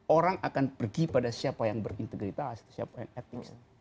orang akan pergi pada siapa yang berintegritas siapa yang etik